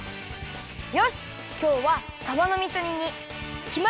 よしきょうはさばのみそ煮にきまり！